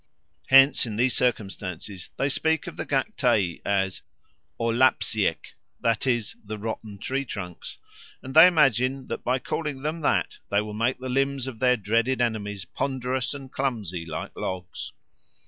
Hence in these circumstances they speak of the Gaktei as o lapsiek, that is, "the rotten tree trunks," and they imagine that by calling them that they make the limbs of their dreaded enemies ponderous and clumsy like logs.